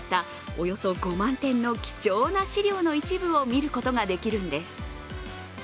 およそ５万点の貴重な資料の一部を見ることができるんです。